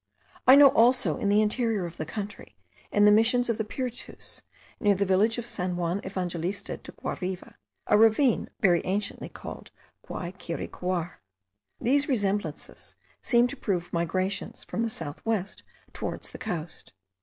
I know also, in the interior of the country, in the Missions of the Piritus, near the village of San Juan Evangelista del Guarive, a ravine very anciently called Guayquiricuar. These resemblances seem to prove migrations from the south west towards the coast.